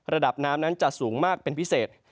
ระดับน้ำนั้นจะสูงมากเป็นพิเศษ